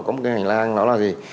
có một cái hành lang đó là gì